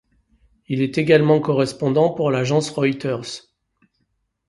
Il est également correspondant pour l'agence Reuters.